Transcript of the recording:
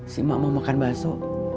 si mak mau makan bakso